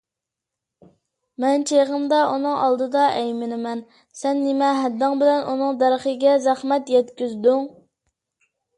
مەن چېغىمدا ئۇنىڭ ئالدىدا ئەيمىنىمەن، سەن نېمە ھەددىڭ بىلەن ئۇنىڭ دەرىخىگە زەخمەت يەتكۈزدۈڭ؟